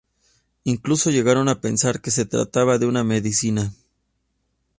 Incluso llegaron a pensar que se trataba de una medicina.